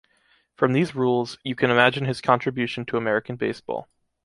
From these rules, you can imagine his contribution to American baseball.